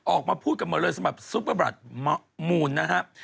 ออกมาพูดกันหมดเลยสำหรับซุปเปอร์บรัฐมูลนะครับ